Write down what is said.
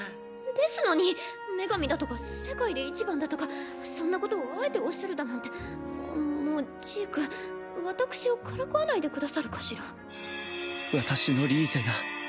ですのに女神だとか世界でいちばんだとかそんなことをあえておっしゃるだなんてああっもうジーク私をからかわないでくださるかしら。